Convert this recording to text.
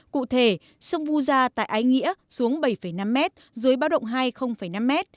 cụ thể sông vu gia tại ái nghĩa xuống bảy năm m dưới báo động hai năm m